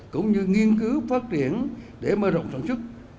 cũng như nghiên cứu phát triển để mơ rộng sản xuất